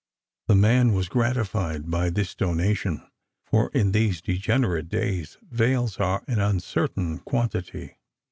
The man was gratified by this donation, for in these degenerate days vails are an uncertain quantity.